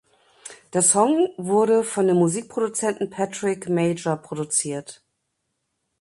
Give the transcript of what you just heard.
Der Song wurde von dem Musikproduzenten Patrik Majer produziert.